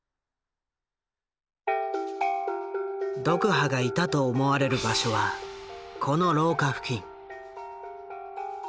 ドクハがいたと思われる場所はこの廊下付近。